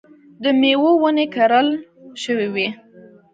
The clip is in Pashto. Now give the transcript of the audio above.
د مېوو ونې کرل شوې وې.